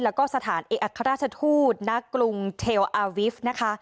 แล้วก็สถานเอกอัครราชทูตณกรุงเทลอาวิฟต์นะคะ